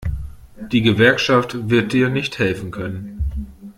Die Gewerkschaft wird dir nicht helfen können.